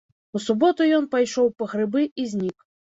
У суботу ён пайшоў па грыбы і знік.